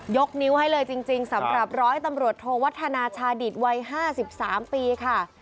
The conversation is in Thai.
ยกนิ้วให้เลยจริงสำหรับร้อยตำรวจโทวัฒนาชาดิตวัย๕๓ปีค่ะ